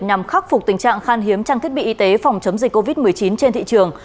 nhằm khắc phục tình trạng khan hiếm trang thiết bị y tế phòng chống dịch covid một mươi chín trên thị trường